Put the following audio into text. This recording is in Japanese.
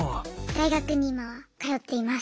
大学に今は通っています。